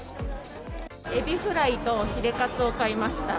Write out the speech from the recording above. エビフライとヒレカツを買いました。